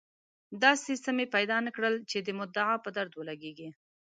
داسې څه مې پیدا نه کړل چې د مدعا په درد ولګېږي.